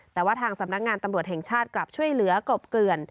แต่ว่าทางสำนักงานตำรวจแห่งชาติกลับช่วยเหลือกลบเกลื่อน